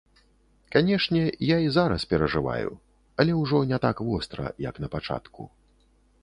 Канешне, я і зараз перажываю, але ўжо не так востра, як на пачатку.